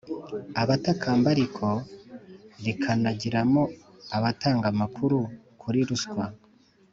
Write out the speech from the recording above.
Abatakamba ariko rikanagiramo abatanga amakuru kuri ruswa